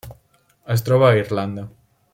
Es troba a Irlanda.